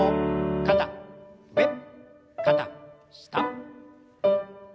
肩上肩下。